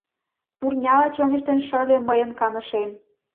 Турняла чоҥештен шыле мыйын канышем.